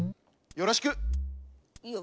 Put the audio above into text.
よろしく。